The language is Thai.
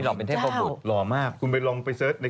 เช่นที่พี่บอกว่าหลับตาสิ